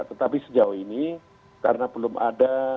tetapi sejauh ini karena belum ada